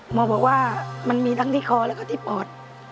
หมอบอกว่ามันมีทั้งที่คอแล้วก็ที่ปอด